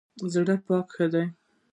پاک زړه ښه دی.